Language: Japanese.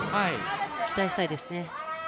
期待したいですね。